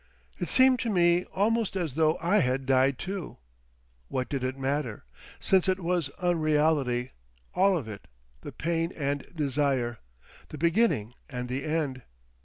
It seemed to me almost as though I had died, too. What did it matter, since it was unreality, all of it, the pain and desire, the beginning and the end?